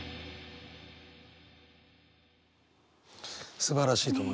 すばらしいと思います。